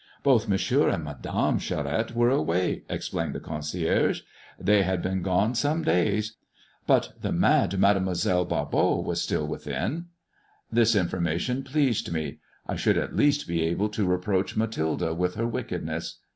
"Both Monsieur and Madame Charette were away," explained the concierge. "They had been gone some days, but the mad Mademoiselle Barbot was still within." This information pleased me. I should at least be able to reproach Mathilde with her wickedness.